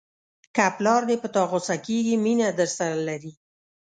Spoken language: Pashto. که پلار دې په تا غوسه کېږي مینه درسره لري.